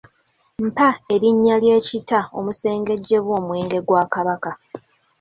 Mpa erinnya ly’ekita omusengejjebwa omwenge gwa Kabaka.